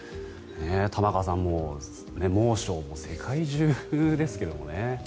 玉川さん猛暑、世界中ですけどね。